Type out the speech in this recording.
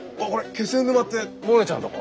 気仙沼ってモネちゃんとこ？